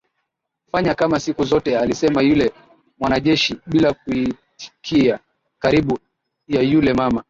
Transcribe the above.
fanya kama siku zote alisema yule mwanajeshi bila kuitikia karibu ya yule mama